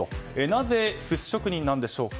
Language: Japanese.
なぜ、寿司職人なんでしょうか。